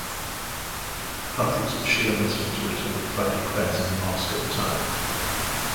Hundreds of Shia Muslims were attending Friday prayers in the mosque at the time.